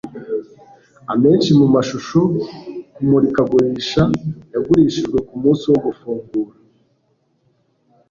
amenshi mumashusho kumurikagurisha yagurishijwe kumunsi wo gufungura